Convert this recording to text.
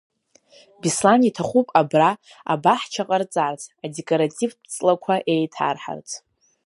Беслан иҭахуп абра абаҳча ҟарҵарц, адекоративтә ҵлақәа еиҭарҳарц.